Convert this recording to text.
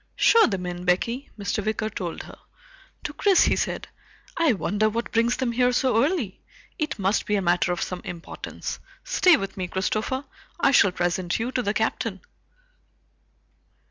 "Show them in, Becky," Mr. Wicker told her. To Chris he said, "I wonder what brings them here so early? It must be a matter of some importance. Stay with me, Christopher. I shall present you to the Captain."